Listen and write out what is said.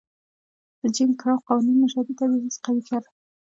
د جېم کراو قوانینو نژادي تبعیض قوي کړ.